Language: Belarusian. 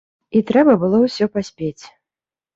І трэба было ўсё паспець.